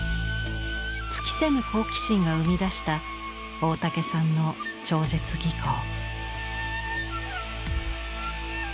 尽きせぬ好奇心が生み出した大竹さんの超絶技巧。